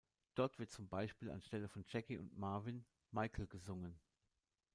Dort wird zum Beispiel an Stelle von Jackie und Marvin „Michael“ gesungen.